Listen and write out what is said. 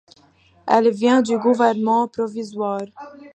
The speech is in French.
Elle vient du gouvernement provisoire.